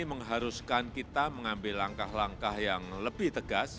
mengharuskan kita mengambil langkah langkah yang lebih tegas